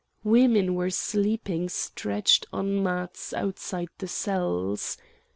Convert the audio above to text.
Women were sleeping stretched on mats outside the cells.